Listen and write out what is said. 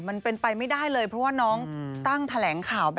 มันเป็นไปไม่ได้เลยเพราะว่าน้องตั้งแถลงข่าว